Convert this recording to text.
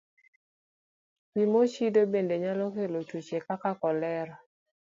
Pi mochido bende nyalo kelo tuoche kaka kolera.